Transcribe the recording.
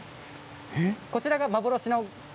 こちらが幻の。